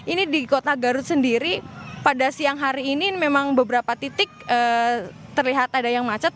ini di kota garut sendiri pada siang hari ini memang beberapa titik terlihat ada yang macet